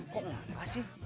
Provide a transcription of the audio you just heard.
kok enggak sih